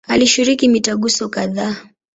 Alishiriki mitaguso kadhaa.